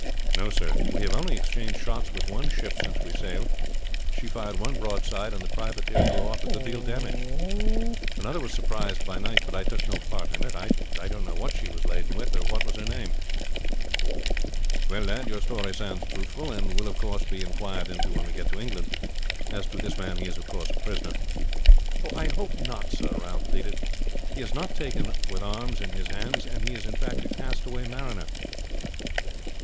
"No, sir. We have only exchanged shots with one ship since we sailed. She fired one broadside and the privateer drew off a good deal damaged. Another was surprised by night, but I took no part in it. I don't know what she was laden with or what was her name." "Well, lad, your story sounds truthful, and will, of course, be inquired into when we get to England. As to this man, he is of course a prisoner." "I hope not, sir," Ralph pleaded. "He has not been taken with arms in his hands, and is, in fact, a castaway mariner."